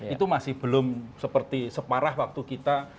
itu masih belum seperti separah waktu kita